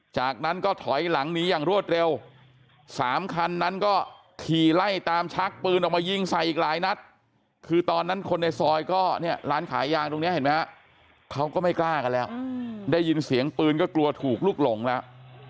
จากนั้นก็ถอยหลังหนีอย่างรวดเร็ว๓คันนั้นก็ขี่ไล่ตามชักปืนออกมายิงใส่อีกหลายนัดคือตอนนั้นคนในซอยก็เนี่ยร้านขายยางตรงนี้เห็นไหมฮะเขาก็ไม่กล้ากันแล้วได้ยินเสียงปืนก็กลัวถูกลุกหลงแล้ว